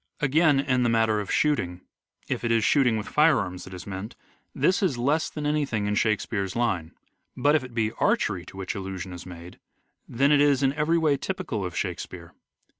Again, in the matter of shooting, if it is shooting with firearms that is meant, this is less than anything in Shakespeare's line ; but if it be archery to which allusion is made, then it is in every way typical of " Shakespeare."